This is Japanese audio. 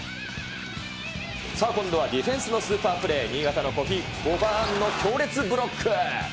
さあ今度はディフェンスのスーパープレー、新潟のコフィ・コーバーンの強烈ブロック。